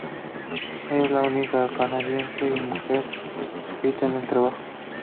Ella es la única canadiense, y mujer descrita en el trabajo.